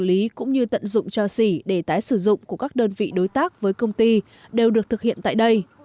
lý cũng như tận dụng cho xỉ để tái sử dụng của các đơn vị đối tác với công ty đều được thực hiện tại đây